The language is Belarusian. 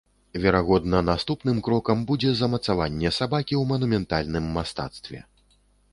Верагодна, наступным крокам будзе замацаванне сабакі ў манументальным мастацтве.